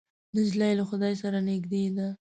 نجلۍ له خدای سره نږدې ده.